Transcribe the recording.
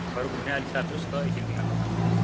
baru punya alis status ke izin tinggal